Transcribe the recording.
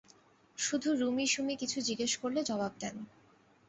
শুধু রুমী সুমী কিছু জিজ্ঞেস করলে জবাব দেন।